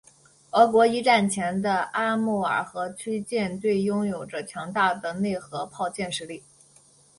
俄国一战前的阿穆尔河区舰队拥有着强大的内河炮舰实力。